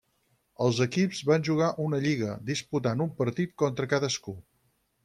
Els equips van jugar una lliga, disputant un partit contra cadascú.